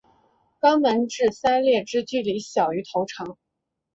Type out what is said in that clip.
肛门至鳃裂之距离小于头长。